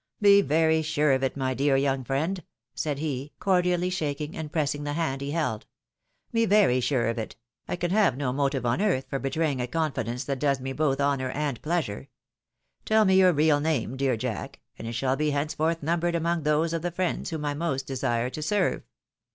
"Be very sure of it, my dear young friend!" said he, cordially shaking and pressing the hand he held. " Be very sure of it — I can have no motive on earth for betraying a con fidence that does me both honour and pleasure. Tell me your real name, ' dear Jack,' and it shall be henceforth numbered among those of the friends whom I most desire to serve."